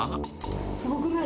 すごくない？